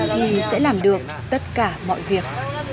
thì sẽ làm được tất cả mọi việc